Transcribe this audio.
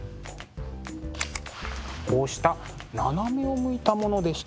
こうした斜めを向いたものでした。